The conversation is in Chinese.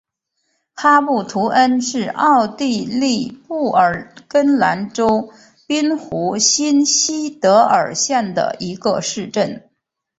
哈布图恩是奥地利布尔根兰州滨湖新锡德尔县的一个市镇。